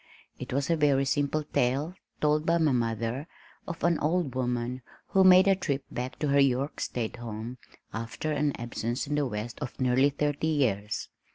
It was a very simple tale (told by my mother) of an old woman, who made a trip back to her York state home after an absence in the West of nearly thirty years.